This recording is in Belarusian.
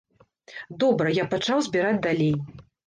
Добра, я пачаў збіраць далей.